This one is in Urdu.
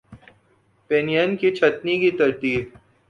پن ین کی چھٹنی کی ترتیب